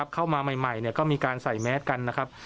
เข้ามาใหม่ก็มีการใส่แมสกันนะครับ